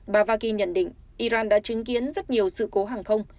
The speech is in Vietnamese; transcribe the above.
bà vaki nhận định iran đã chứng kiến rất nhiều sự cố hàng không